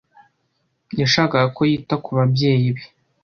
Yashakaga ko yita ku babyeyi be.